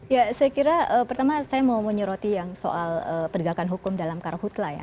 ya saya kira pertama saya mau menyeroti yang soal pendegakan hukum dalam karahutlah ya